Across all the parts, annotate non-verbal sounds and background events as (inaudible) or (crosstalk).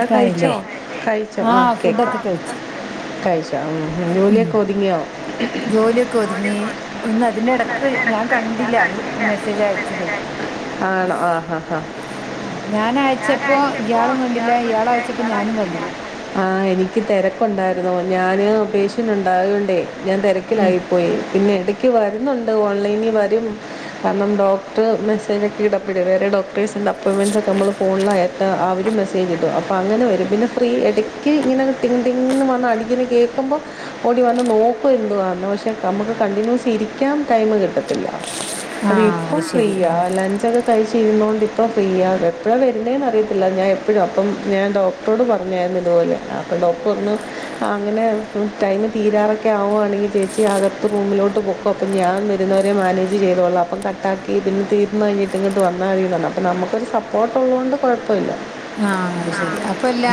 ആഹ് കഴിച്ചോ കഴിച്ചോ ആഹ് കേക്കാം കഴിച്ചോ ജോലിയൊക്കെ ഒതുങ്ങിയോ ജോലിയൊക്കെ ഒതുങ്ങി ഒന്ന് അതിന്റെ ഇടക്ക് ഞാൻ കണ്ടില്ല മെസ്സേജ് അയച്ചതേ (inaudible) ആണോ ആഹാ ഹാ ആഹ് ഞാൻ അയച്ചപ്പോ ഇയാളും കണ്ടില്ല ആഹ എനിക്ക് തിരക്കുണ്ടായിരുന്നു ഞാനേ പേഷ്യൻ്റ് ഉണ്ടായാകൊണ്ടേ ഞാൻ തിരക്കിലായിപ്പോയി പിന്നെ ഇ വരുന്നുണ്ട് ഓൺലൈനിൽ വരും കാരണം ഡോക്ടർ മെസേജൊക്കെ ഇടുമ്പോഴേ വേറെ ഡോക്ടേ് എ അപ്പോയ്മെൻ്റ്സ് നമ്മള് ഫോണില് അയക്കാ അവരും മെസേജ്ടും അപ്പ അങ്ങനെ വരും പിന്നെ ഫ്രീ ഇടക്ക് ഇങ്ങനെ തിങ് തിങ്ങ് വന്ന് അടിക്കുന്ന കേൾക്കുബോ ഓടി വന്ന നോക്കും എന്തുവാന്ന് പക്ഷെ നമുക്ക് കണ്ടിനുവേസ് ഇരിക്കാൻ ടൈമ് കിട്ടത്തില്ല. അത് ഇപ്പം ഫ്രീയാ ലഞ്ചൊക്കെ കഴിച്ചിരുന്നോടിപ്പ അപ്പം ഫ്രീ്യ എപ്പോഴാണ് വരുന്നേെന്ന് അറിയത്തില്ല ഞാൻ എപ്പോഴാണ് അപ്പം ഞാൻ ഡോക്ടറോട് പറഞ്ഞായിരുന്നു ഇതുപോലെ അപ്പം ഡോക്ടർ പറഞ്ഞു അങ്ങനെ ടൈംമു തീ ജാറൊക്കെ ആവുകവാണെങ്കിൽ ചേച്ചി അകത്ത് റൂമിലോട്ട് പൊക്കോ അപ്പ ഞാൻ വരുന്നവരെ മാനേജ്തോളാം അപ്പം കട്ടാ ഇതിങ്ങ് തീർന്ന് കഴിഞ്ഞിട്ട് ഇങ്ങട്ട് വന്നാതി ന്ന്റഞ്ഞു അപ്പൊ നമ്മക്കൊരു സപ്പോർട്ട് ഉള്ളുകൊണ്ട് കുഴപ്പമില്ല. ആഹ അ ശരി അപ്പല്ല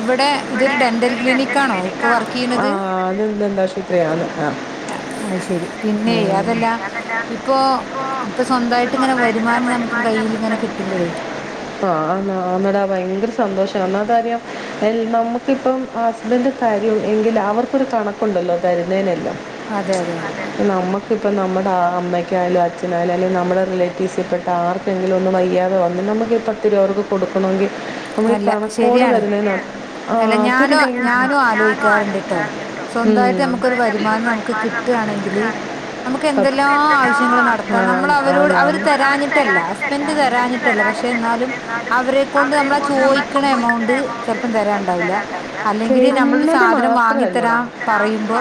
ഇവിടെ ഇതൊരു ഡെന്റൽ ക്ലിനിക് ആണോ ഇപ്പ വർക്ക് ചെയ്യണത് ആ അതും ദാന്താശുപത്രിയാണ്. ആ ആ അത് ശരി പിന്നെ അതല്ല ഇപ്പൊ ഇപ്പൊ സ്വന്തമായിട്ട് ഇങ്ങനെ വരുമാനം നമ്മ്ക് മ്മക്ക് കയ്യില് ഇങ്ങനെ കിട്ടുമ്പഴേ ആഹ് ആ (unintelligible) ഭയങ്കര സന്തോഷം ഒന്നാമത്ത കാര്യം നമുക്ക ഇപ്പം ഹസ്ബൻഡന്റെ തരും എങ്ക അവർക്ക് കണക്കുണ്ടല്ലോ തരുന്നേനെല്ലാം നമ്മക്കിപ്പ നമ്മുടെ ആ അമ്മയ്ക്കായാലും അച്ഛനായാലും അല്ലെങ്കി നമ്മുടെ റിലേറ്റീവ്സിൽപ്പെട്ട ആർക്കെങ്കിലും ഒന്നു വയ്യാതെ വന്നാ നമ്മുകി പത്തിരുപനമ്മക്ക് കൊടുക്കണമെങ്കിൽ നമ്മൾ ഈ കണക്കോടെ നാ ആഞ ഞാന ആലോചിക്കാറണ്ട് ന നമക്കൊരു വരുമാനം ആകും. (unintelligible) ആണെങ്കിൽ നമുക്ക് എന്തെല്ലോ ആവശ്യങ്ങൾ നടത്താം നമ്മള അവരോട് അവർ തരഞ്ഞിട്ടല്ല ഹസ്ബൻഡ് തരാഞ്ഞിട്ടല്ല ക്ഷെ ന്നാലും അവരെക്കൊണ്ട് മ്മളെ പോയിക്ക്ണ എമവ്ണ്ട് ചെൽപ്പം തരാൻണ്ടാവൂല അല്ലെങ്കിൽ. നമ്മളൊരു ഒരുസാ ധനം വാങ്ങി തരാൻ പ റയുമ്പോ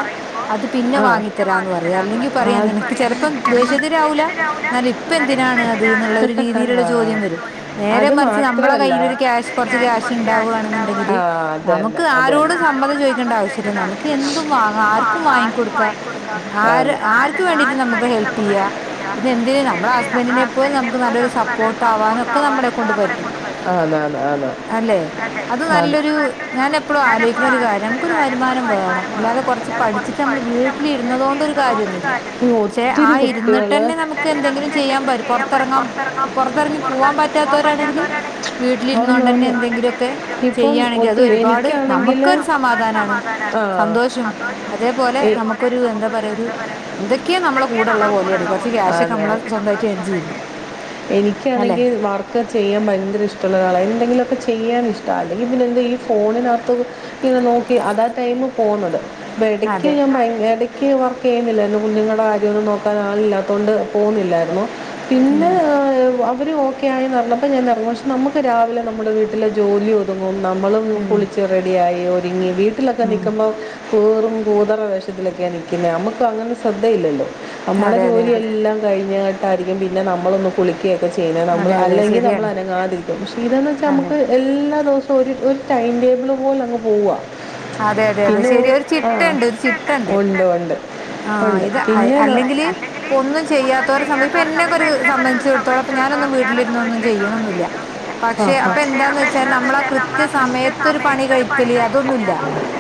അത് പിന്നെ വാങ്ങിത്തരാന്ന് പറയും അല്ലെങ്കിൽ പറയാ നിനക്ക് ചെലപ്പം ദേഷ്യത്തിനാവൂല ന്നാലിപ്പം എന്തിനാണ് ത് എന്നുള്ള ഒരു രീതിയിലുള്ള ചോദ്യം വരും നേരെ മറിച്ച് മാത്രല്ല അഷ് കൊർച്ച് ക്യാഷ് ണ്ടാവാണ് ന്ന്ണ്ടെങ്കിൽ നമുക്ക് ആരോടും സമ്മതം ചോയ്ക്കേണ്ട ആവശ്യല്ല നമുക്ക് എന്തും ത്തും വാങ്ങാ ആര്ക്കും വാങ്ങി കൊടുക്കാ ആര ആര്ക് വേണ്ടി ട്ടും നമക്ക് ഹെൽപ്പെയ്യാം ദേ ന്തിൻ നമ്മളെ ഹസ്ബൻഡന്റിനെ പോല് നമ്മുക്ക് നല്ലൊരു സപ്പോർട്ടാകാനൊക്കെ നമ്മെളെ കൊണ്ട് പറ്റ ആ തെ അല്ലെ അത് നല്ലൊരു ഞാൻ എപ്പോഴും ആലോചിക്ക്ണ ഒരു കാര്യം നമുക്കൊരു വരുമാനം വേണ അല്ലാതെ കൊറച്ച് പഠിച്ചിട്ട് നമ്മൾ വീട്ടിൽ ഇരുന്ന തോണ്ട് ഒരു കാര്യന്നുംല്ല ക്ഷെ ആ ഇരിന്നിട്ടെന്നെ തന്നെ നമുക്ക് എന്തെങ്കിലും ചെയ്യാൻ പറ്റും പൊറത്തെറങ്ങാം പൊറത്തറങ്ങി പൂവാൻ പറ്റോത്തരാ ണക്കിൽ വീട്ടിലിര്ന്നോണ്ടെന്നെ എന്തെങ്കിലൊക്കെ ചെയ്യാണങ്കിൽ അത് ഒരുപാട് നമക്കൊരു സമാധാനമാണ് സന്തോഷും അതേപോലെ നമക്കൊരു എന്താ പറയാ ഒരു എന്തൊക്കെയോ നമ്മളെ കൂടെള്ള പോലെണ് കൊറച്ച് ക്യാഷ്ക്കെ നമ്മളെ സ്വന്താ യിട്ട് എൻ ചെയ്യുമ്പോ എനിക്കാണെങ്കി വർക്ക് ചെയ്യുമ്പോ വയങ്കര ഇഷ്ടല്ല ആളാണ് എന്തെങ്കിലൊക്കെ ചെയ്യാൻ ഇഷ്ടാ അല്ലെങ്കിൽ പിന്നെ എന്തങ്കി ഫോണിനകത്ത് ഇങ്ങെ നോക്കി അ അതാ ടൈമ് പോവ്ന്നത് വെടക്കക്ക് ഞാൻ (unintelligible) ക്ക് വർക്കെയ്യുന്നില്ലായിരുന്നു കുഞ്ഞുങ്ങളുടെ കാര്യന്നും നോക്കാൻ ആളില്ലാത്തോണ്ട് പോവ്ന്നില്ലായിരുന്നു പിന്നെ അവര് ഓക്കെ ആയിന്നറിഞ്ഞപ്പോൾ പ്പം ഞാനറങ്ങും ഷ് നമക്ക് രാവിലെ നമ്മുടെ വീട്ടിലെ ജോലി ഒതുങ്ങും നമ്മളും ക്കുളിച്ച് റെഡിയായി ഒരു ങ്ങി വീട്ടിലൊക്കെ നിക്കുമ്പോ കൂറും കൂതറ വേഷത്തിലൊക്കെയാ നിക്കുന്നെ മമക്ക് അങ്ങനെ ശ്രദ്ധയില്ലല്ലോ അമമാടെ ജോലിെല്ലാം കഴിഞ്ഞട്ടായിരിക്കും പിന്നെ നമ്മളൊന്ന് കുളിക്കെകെ ചെയ്യുന്നെ നമ്മൾ അല്ലെങ്കിൽ നമ്മളനങ്ങാതെ ഇരിക്കും ഷീദേന്ന് വെച്ചാ നമക്ക് എല്ലാ ദ്വവസവും ഒരു ഒരു ടൈം ടേബിൾ പോൽ അങ്ങ് പോവാ അതെ അതെ അതെ ശെരി ഒരു ചിട്ടെണ്ട് ഒരു ചിട്ടെണ്ട് ആ ഇത് അല്ലെങ്കില് പ്പൊ ഒന്നും ചെയ്യാത്തോരെ സംഭവി ഇപ്പൊ എന്നെക്കെ ഒരു സംബന്ധിച്ചെ ടുത്തോളം പ്പൊ ഞാൻ ങ്ങനുംവീട്ടിലുന്നൊന്നും ചെയ് ചെയ്യണൊന്നുല്ല പക്ഷെ അപ്പൊ എന്താന്ന്ച്ചാൽ നമ്മളെ ആ കൃത്യ സമയത്തൊരു പണി കഴിക്കല് അതൊന്നുംല്ല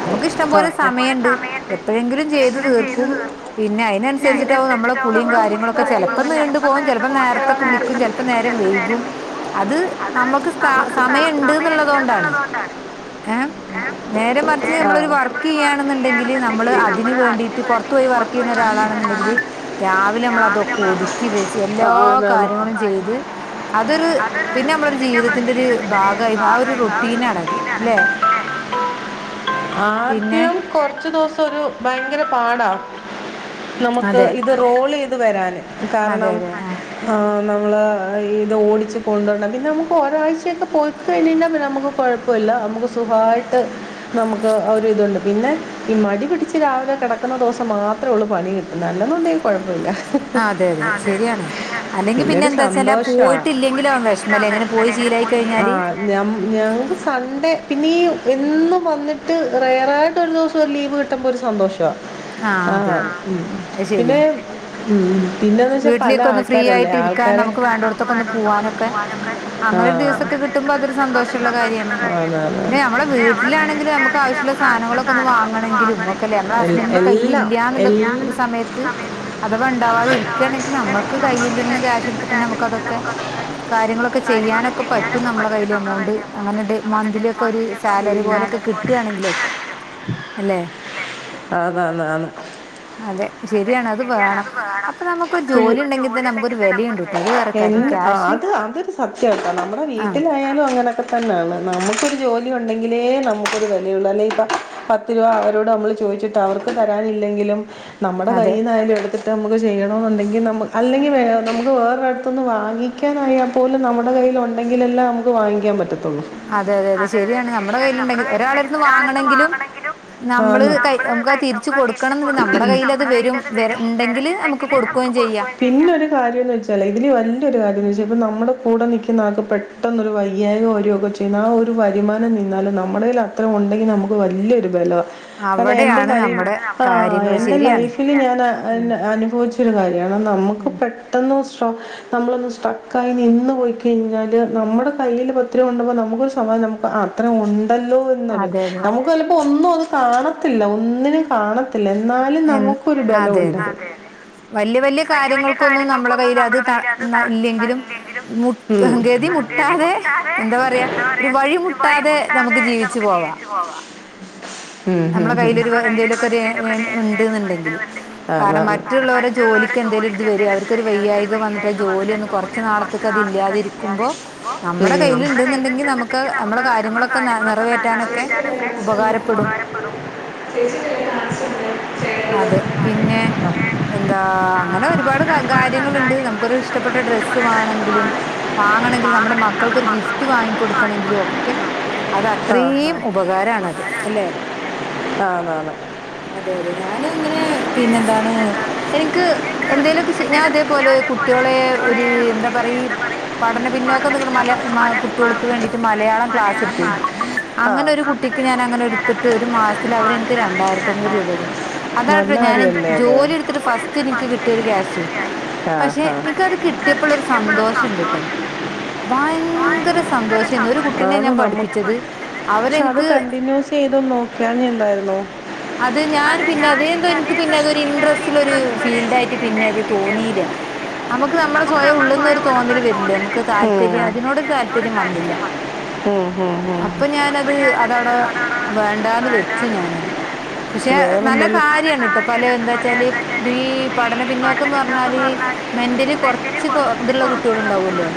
നമക്ക്ഷ്ടം പോലെ സമയണ്ട് എപ്പേഴെങ്കിലും ചെയ്ത് തീർക്കും പിന്നെ അയിനനുസരിച്ചിട്ടാ പ്പ മ്മളെ കുളിയും കാര്യങ്ങളൊക്കെ ചെലപ്പോ നീണ്ടു പോവും ചെലപ്പോ നേരത്തെ കുളിക്കും ചെലപ്പോ നേരം വൈകും അത് നമ്മൾക്ക് സ സമയംണ്ട് ന്ന്ള്ളതോണ്ടാണ് ഏ നേരെ മറ് ച്ച് മ്മളൊരു വർക്കെയ്യാണ് ന്ന്ണ്ടെങ്കില് നമ്മള് അതിന് വേണ്ടിട്ട് പൊറത്ത് പോയി വർക്കെയ്ണ ഒരാളാണെന്നുണ്ടെങ്കില് രാവിലെ മ്മൾ അതൊക്കു ഒതിക്കി വെച്ച് എല്ലാ കാര്യങ്ങളും ചെയ്ത് അതൊരു പിന്നെ മ്മളൊരു ജീവിതത്തിന്റെ ഒരു ഭാഗയി ആ ഒരു റൊട്ടീന ആണത് ല്ലെ ആദ്യം കൊറച് ദിവസം ഒരു ഭയങ്കര പാടാ നമക്ക് ഇത് റോളെയ്ത് വരാന് കാരണം ആ നമ്മള് ഈ ഇത് ഓടിച്ച് കൊണ്ടരണം പിന്നെ നമക്ക് ഒരാഴ്ചയൊക്കെ പോയിക്ക ഴിഞ്ഞയിഞ്ഞാൽ പിന്നെ നമുക്ക് കൊഴപ്പമില്ല നമക്ക് സുഖമായിം ട്ട് നമ്ക്ക് അവരിതുണ്ട് പിന്നെ ഈ മടി പിടിച്ച് രാവിലെ കെടക്ന്ന ദിവസം മാത്രേ ഉള്ളൂ പണി കിട്ടുന്നെ അല്ലന്നു ണ്ടെങ്കി കൊഴപ്പല്ല (unintelligible) പിന്നൊരു സന്തോഷ ആ ഞ്ഞമ്മ ഞങ്ങക്ക് സൻഡേ നീയും എന്നും വന്നിട്ട് റയറായിട്ടൊരു ദിവസം ഒരു ലീവ് കിട്ടുമ്പോൾ ഒരു സന്തോഷ ആ മ് പിന്നെ ഇല്ലാന്ന് വച്ചാ പല ആൾക്കാരല്ലേ ആൾക്കാരെ തൊക്കെ ഒന്ന് പോവാനൊക്കെ അങ്ങനെ ഒരു ദിവസൊക്കെ കിട്ടുമ്പോ അതൊരു സന്തോഷള്ള കാര്യണ് പിന്നെ നമ്മളെ വീട്ടിലാണെങ്കിൽ നമക്ക് ആവശ്യ ള്ള സാനങ്ങളൊക്കെ ഒന്ന് വാങ്ങണങ്കിലും ഒക്കെല്ലെ നമ്മ ഹസ്ബൻഡ് കയിലില്ല ന്നുള്ളൊരു സമയത്ത് അഥവാ ഇണ്ടാവാതിെരിക്ക്യാണെങ്കിൽ നമ്മക്ക് കയ്യിലിന്ന് ക്യാഷ് എടുത്തിട്ടന്നെ നമുക് അ (unintelligible) കാര്യങ്ങളൊക്കെ ചെയ്യാനൊക്കെ പറ്റും നമ്മള കയ്ൽ എമൗണ്ട് അങ്ങനെ മന്ത്ലി ഒക്കെ ഒരു സാലറി പോല ലൊെ കിട്ടയാണെങ്കിലൊക്കെ അല്ലെ? അതാണ് ന്നാ ന്നാ ന്ന്. അതെ ശരിയാണ് അത് വേണം (unintelligible) ജോലി ഇല്ലെങ്കിൽ തന്നെ നമുക്കൊരു വെലോ എന്ന് ആ അതൊരു സത്യട്ടോ നമ്മുടെ വീട്ടിലായാലും അങ്ങനൊക്കെ തന്നെയാണ് നമുക്കൊരു ജോലി ഉൻ ല്ലെങ്കിലേ നമുക്കൊ ഒരു വിലയൊള്ളൂ അല്ലെഗി പത് പത്ത് രൂപ അവരോട് നമ്മള് ചോദിച്ചിട്ട് അവർക്ക് തരാനില്ലെങ്കിലും. നമ്മുടെ കയീന്നായാലും എടുത്തിട്ട് നമുക്ക് ചെയ്യണോന്നുണ്ടെങ്കിൽ നമു അല്ലെങ്കിൽ നമുക്ക് വേറെ ന്ന് വാങ്ങിക്കാനായൽ പോലും നമ്മുടെ കയ്യിയിലുണ്ടങ്കിലലെ നമുക്ക് വാങ്ങിക്കാൻ പറ്റതൊ അതെ അതെ അതെ ശരിയാണ് നമ്മുടെ കയി ലുണ്ടകി ഒരാളട്ത് ന്ന് വാങ്ങണെങ്കിലും നമ്മ ഒക്കെ തിരിച്ച് കൊടുക്ക നമ്മുടെ കയ്ലത് വരും വണ്ടെങ്കില് നമുക്ക് കൊടുകെചെയ്യാ പിന്നെ ഒരു കാര്യന്നെച്ചാലെയ്. ഒര് വലൊരു കാര്യംന്ന് വെചാൽ പ്പം നമ്മുടെ കൂടെ നിൽക്കുന്ന ആക്ക് പെട്ടെന്നോരു വയ്യായിക വരൊക ചെയ്യുന്ന ആ ഒരു വരുമാനം നിന്നാലും നമ്മുടെയില് അത്ര ഉണ്ടെങ്കിൽ നമുക്ക് വലിയൊരു ബല. ആ. എന്റെ ലൈഫ് ആ എന്റെ ലൈഫില് ഞാൻ അനുഭവിച്ചൊരു കാര്യണ് നമുക് പെട്ടെന്ന്. നമ്മളൊന്ന് സ്ട്രക്കായി നിന്ന് പോയി കഴിഞ്ഞാല് നമ്മുടെ കയ്യിൽ പത്രുബ ഉണ്ടോ നമുകൊരു സമാ നമു ക്ക് അത്ര ഉണ് ല്ലോ എന്നത് നമുക്ക് ചെലപ്പോ ഒന്നും അത് കാണത്തില്ല ഒന്നിനും കാണ എന്നാലും നമുക്കരു ബലുണ്ട് വല്യ വല്യ കാര്യങ്ങൾകൊ ന്നും നമ്മുടെ കയ്യിൽ അത് താ ഇല്ലെങ്കിലും ഗതി മുട്ടാതെ എന്താ (unintelligible) വഴിമുട്ടാതെ നമ്മക്ക് ജീവിച്ചു പോഖ. നമ്മളെ കയ്ൽരു എന്തേലു ഒക്കെ ഒര്ഏണി ഉണ്ട് ന്ന്ണ്ടെങ്കില് കാരണം മറ്റുള്ളവരെ ജോലി എന്തേലൊര് ഇത് വരെ അവര്ക്കൊരു വയ വെയ്യായിക വന്നിട്ട് ജോലിന്നു കൊർച് നാളത്തക് അത് ഇല്ലാതിരിക്കുമ്പോ നമ്മുടെകയ്യില് ഇൻണ്ട്ന്ന്ണ്ടങ്കി നമ്മക്ക് നമ്മളെ കാര്യങ്ങളൊക്കെ നിറവേറ്റാനൊക്കെ. ഉപകാരപ്പെടും (unintelligible) എന്താ അങ്ങനെ ഒരുപാട് കാര്യങ്ങ നമുക്കൊരു ഇഷ്ടപ്പെട്ട ഡ്രസ്സ് വാണങ്കിലും വാങ്ങണെങ്കിലും നമ്മുടെ മക്കൾക്കൊരു ഗിഫ്റ്റ് വാങ്ങിക്ക കൊടുക്കണങ്കിലോക്കെ ക്കെ അത് അത്രീം ഉപകാരാണ്. എ ല്ലെ അതെതെ ഞാനും ഇങ്ങനെ പിന്നെന്താണ് ഏ എനിക്ക് എന്തേലുമൊക്കെ ഞാൻ ഇതേപോലെ കുട്ടികളെ ഒരു എന്താ പറീഈ പഠന പിന്നോകം നിക്കണ മല കുട്ട്യോൾക്ക് വേണ്ടിട്ട് മലയാളം ക്ലാസ് ഇട്ത്തിന് അങ്ങനെ ഒരു കു ഞനെ എടുത്തിട്ട് ഒരു മാസത്തിൽ അവരെ എനിക്ക് രണ്ടായിരത്തി അഞ്ഞൂറ് രൂപ തന്നും അതാട്ടോ ഞാൻ ജോൽ ട്ത്ട്ട് ഫസ്റ്റ് എനിക്ക് കിട്ടിയ ഒരു ക്യാഷ്. ആഹ. ഞ്ഞെ നിക്കത് കിട്ടിയപ്പോ ഉള്ള ഒരു സന്തോഷണ്ട്ട്ടോ. ഭയങ്കര സന്തോഷഏയ്നു ഒരു കുട്ടീനെ ഞാൻ പഠിപ്പിച്ചത് അവരെനിക്ക് കണ്ടിന്യൂസ് ചെയ്ത് നോക്കനു ണ്ടായിരുന്നോ? അതെ ഞാൻ പിന്നെ (unintelligible) ഇൻട്രസ്റ്റ് എനിക്ക് കിട്ടി ട്ടുണ്ടായിരുന്നില്ല. നമുക്ക് നമ്മള സ്വയം ഉള്ളന്നൊ ഒരു തോന്നൽ വരില്ലേ നമുക്ക് താല്പര്യം അതിനോടൊരു താല്പര്യം വന്നില്ല. ഹം ഹ ഹ അപ്പോഞ്ഞാന്നത് അടെ വേണ്ടാന്ന് വെച്ചു ഞാനത്. പക്ഷെ നല്ല കാര്യണ് ട്ടോ പല എന്താ വെച്ചാല് ഈ പഠന പിന്നോക്കംന്ന് പറഞ്ഞാല്. മെന്റലി കുറച്ച് കൊ തുള്ള കുട്ട്യോൾ ഉണ്ടാവൊല്ലോ.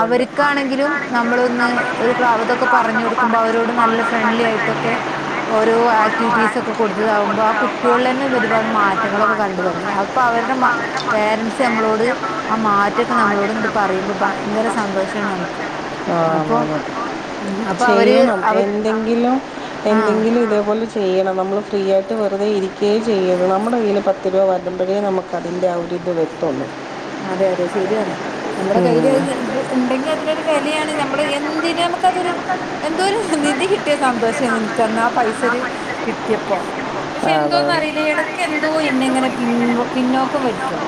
അവർക്കാണെങ്കിലും നമ്മളൊന്ന് ഒരു ഇതൊക്കെ പറഞ്ഞു കൊടുക്കുമ്പോ അവരോട് നല്ല ഫ്രണ്ട്ലി ആയിട്ടൊക്കെ ഓരോ ആക്ടിവിറ്റീസ് ഒക്കെ കൊടുത്തതാകുമ്പോ ആ കുട്ടികളിൽ ലന്നെമെര് പാട് മാറ്റങ്ങളൊക്കെ കണ്ട് തൊടങ്ങി അ അപ്പൊ അവരുടെ മാ പേരെ ഷെ നമ്മളോട് ആ മാറ്റക്കെ നമ്മളോടിങ്ങോട്ട് പറയുമ്പ ഭയങ്കര സന്തോഷാണ് അമക്ക്. അപ്പം ഉം അപ്പവര് അവർ എന്തെങ്കിലും എന്തെങ്കിലും ഇതേപോല ചെയ്യണം നമ്മള് ഫ്രീ ആയിട്ട് വെറുതെ ഇരിക്കേ ചെയ്യരുത് നമ്മടെ കയ്യിൽ പത്ത് രൂപ വരുമ്പഴേ നമുക്കതിന്റെ (unintelligible) അതെ അതെ ശരിയാണ് നമ്മടെ കയ്യില് ആ ഇത് ഇണ്ടെങ്കി അതിനൊരു വെലയാണ്. നമ്മള് എന്തിനമക്കതൊരു എന്തോരു നിധി കിട്ടിയ സന്തോഷ നിക്കന്നാ പൈസര് കിട്ടിയപ്പോ. പക്ഷെ എന്തോന്നറിയില്ല എടക്കെന്തോ എന്നെങ്ങനെ പിൻ പിന്നോക്കം വലിക്കാ.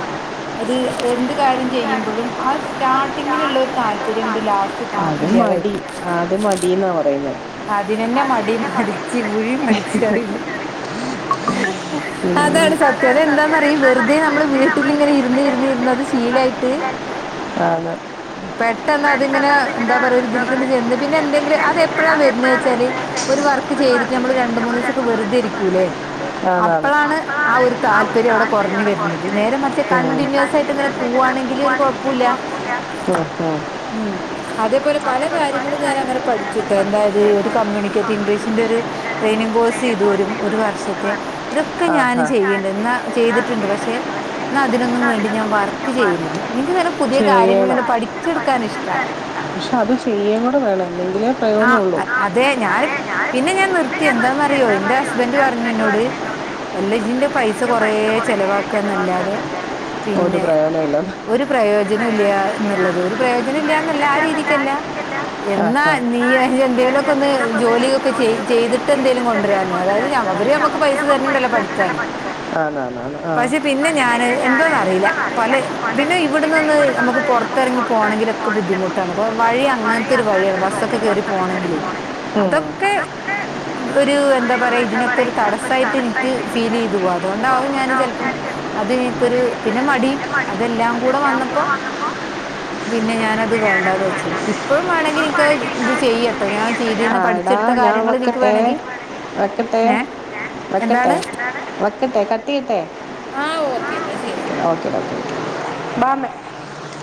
അത് എന്ത് കാര്യം ചെയ്യുമ്പഴും ആ സ്റ്റാർട്ടിങ്ങിലുള്ളൊരു താല്പര്യങ്ങട് ലാസ്റ്റ് എത്തുമ്പക്ക്‌ ഇല്ലാതായി പോം. തിനു അവർ അതിനന്നെ മടി മടിച്ചി കുഴി മടിച്ചിയാറിയല്. (inaudible) അതാണ് സത്യം അതന്താന്നറിയ് വെർതെ നമ്മള് വീട്ടിലിങ്ങനെ ഇരുന്നിരു ന്നിരുന്നത് ശീലാ ലായിട്ട് പെട്ടന്നതിങ്ങനെ എന്താ പറയാ ഒരിതലേക്കങ്ങട് ചെന്ന് പിന്നെന്തേ ങ്ങട് അത് എപ്പോഴാ വെരുന്നേച്ചാല് ഇപ്പൊരു വർക്ക് ചെയ്തിട്ട് നമ്മള് രണ്ട് മൂന്നിവസൊക്കെ വെറുതെരിക്കൂലേ അപ്പളാണ് ആ ഒരു താല്പര്യം അവിടെ കൊറഞ്ഞു വെരുന്നത് നേരെ മറിച്ച് കണ്ടിന്യൂസായിട്ടിങ്ങനെ പോവാ വാണെങ്കില് ഒരു കൊഴപ്പോല്ല. ഉം അതേപോലെ പല കാര്യങ്ങളും ഞാൻ അങ്ങനെ പഠിച്ചി ട്ടന്താത് ഒരു കമ്മ്യുണികേറ്റ് ഇംഗ്ലീഷിന്റെ ഒരു ട്രെയിനിങ് കോഴ്സ് തു ഒരു ഒരു വർഷത്തെ ഇതക്കെ ഞാൻ ചെയ്യണ്ട് എന്നാ ചെയ്തിട്ടിണ്ട് പക്ഷെ ന്നാ അതിനൊന്നും വേണ്ടി ഞാൻ വർക്ക് ചെയ്യുന്നില്ല എൻക്കിങ്ങനെ പുതിയ കാര്യങ്ങളിങ്ങനെ പഠിച്ചെടുക്കാൻ ഇഷ്ടാണ്. ക്ഷത് ചെയ്യേം കൂടെ വേണം അല്ലെങ്കില് ആ അ അതെ ഞാന് പിന്നെ ഞാൻ നിർത്തി എന്താന്നറിയോ? ഹുസ്ബൻഡ് പറഞ്ഞന്നോട് അല്ല യിന്റെ പൈസ കൊറേ ചെലവാക്കന്നല്ലാതെ ഒരു പ്രയോജനോല്ല. ഒരു പ്രയോജനൊല്ല്യ എന്ന്ള്ളത് ഒരു പ്രയോജനല്ലാന്നല്ല ആ രീതിക്കല്ല എന്നാ നീ എന്തെലുക്കെ ഒന്ന് ജോലിയൊക്കെ ചെയ് ചെയ്തിട്ട് എന്തേലും കൊണ്ടരാൻ. അതായത് അവര് നമ്മക്ക് പൈസ തരണണ്ടല്ലോ പഠിക്കാന് (unintelligible) പക്ഷെ പിന്നെ ഞാന് എന്തോന്നറിയില്ല പല പിന്നെ ഇവിടന്ന് ഒന്ന് നമുക്ക് പൊറത്തിറങ്ങി പോണെങ്കിലും ഒക്കെബുദ്ധിമുട്ടാണ് വഴി അങ്ങനത്തൊര് വഴിയാണ് ബസക്ക്‌ ക്കെ കേറി പോണെങ്കിലേ അതൊക്കെ ഒരു എന്താ പറയ് ഇതിനൊക്കൊരു തടസ്സായിട്ട് എനിക്ക് ഫീലെയ്തു അതുകൊണ്ടാവും ഞാന് ചെലപ്പം അത് എനിക്കൊരു പിന്നെ മടി അതെല്ലാം കൂടെ വന്നപ്പോ പ്പോ പിന്നെ ഞാനത് വേണ്ടാന്ന് വെച്ചത് ഇപ്പഴും വണങ്കിലെനിക്കത് ഇത് ചെയ്യട്ടോ ഞാൻ ചെയ്തീന്ന് പഠിച്ചെടുത്ത കാര്യങ്ങൾ നിക്ക് വേണങ്കി വെക്കട്ടെ വെക്കട്ടെ വെക്കട്ടെ കട്ടീയ്ട്ടെ? Okay bye